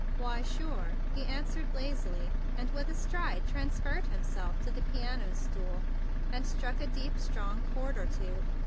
"Why, sure!" he answered lazily, and with a stride transferred himself to the piano stool and struck a deep, strong chord or two.